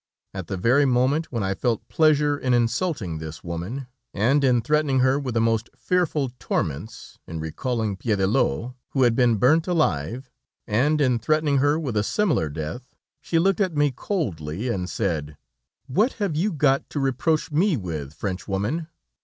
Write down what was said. At the very moment when I felt pleasure in insulting this woman, and in threatening her with the most fearful torments, in recalling Piédelot, who had been burnt alive, and in threatening her with a similar death, she looked at me coldly, and said: "'What have you got to reproach me with, Frenchwoman?